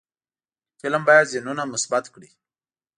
فلم باید ذهنونه مثبت کړي